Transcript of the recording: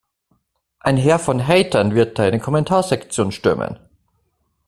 Ein Heer von Hatern wird deine Kommentarsektion stürmen.